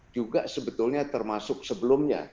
juga sebetulnya termasuk sebelumnya